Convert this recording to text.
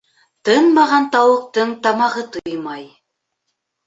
Тынмаған тауыҡтың тамағы туймай.